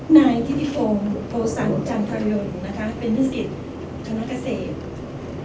นายทิธิฟงโฟสันจันทรยนทร์เป็นนิสิทธิ์คณะเกษตรศาสตร์